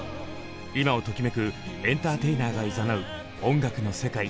今をときめくエンターテイナーが誘う音楽の世界。